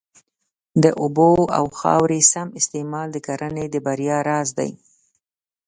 د اوبو او خاورې سم استعمال د کرنې د بریا راز دی.